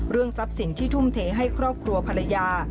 ทรัพย์สินที่ทุ่มเทให้ครอบครัวภรรยา